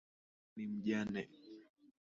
Yule ni mjane